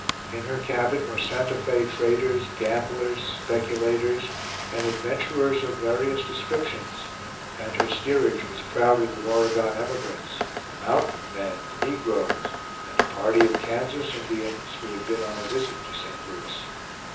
In her cabin were Santa Fe traders, gamblers, speculators, and adventurers of various descriptions, and her steerage was crowded with Oregon emigrants, "mountain men," negroes, and a party of Kansas Indians, who had been on a visit to St. Louis.